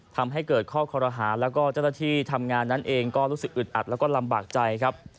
ทำให้เกิดข้อคอรหาแล้วก็เจ้าหน้าที่ทำงานนั้นเองก็รู้สึกอึดอัดแล้วก็ลำบากใจครับ